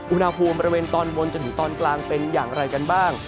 อุณหภูมิบริเวณตอนบนจนถึงตอนกลางเป็นอย่างไรกันบ้าง